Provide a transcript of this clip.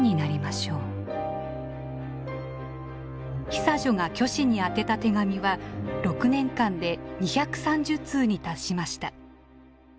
久女が虚子に宛てた手紙は６年間で２３０通に達しました。